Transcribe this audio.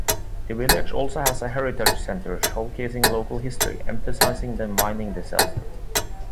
The village also has a heritage centre showcasing local history, emphasizing the mining disaster.